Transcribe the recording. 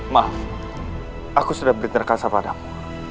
maaf aku sudah berkasa padamu